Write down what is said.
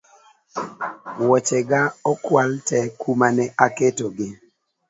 Woche ga okwal tee kuma ne aketo gi